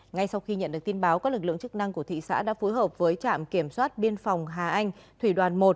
ngay sau khi nhận được tin báo các lực lượng chức năng của thị xã đã phối hợp với trạm kiểm soát biên phòng hà anh thủy đoàn một